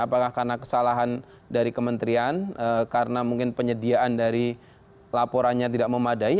apakah karena kesalahan dari kementerian karena mungkin penyediaan dari laporannya tidak memadai